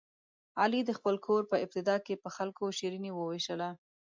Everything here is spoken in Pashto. علي د خپل کور په ابتدا کې په خلکو شیریني ووېشله.